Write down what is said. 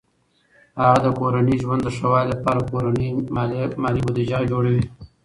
هغه د کورني ژوند د ښه والي لپاره د کورني مالي بودیجه جوړوي.